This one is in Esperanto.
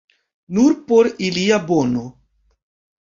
Nur por ilia bono.